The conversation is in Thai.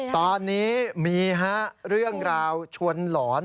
ตอนนี้มีเรื่องราวชวนหลอน